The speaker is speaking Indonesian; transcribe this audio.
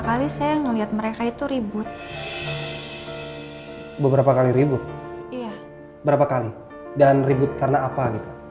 kali saya melihat mereka itu ribut beberapa kali ribut iya berapa kali dan ribut karena apa gitu